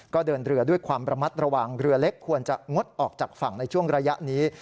ก็เดินเรือด้วยความระมัดระวังเรือเล็กควรจะงดออกจากฝั่งในช่วงระยะนี้